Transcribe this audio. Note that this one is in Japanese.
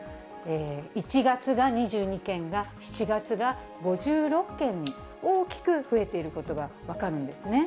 １月が２２件が７月が５６件に大きく増えていることが分かるんですね。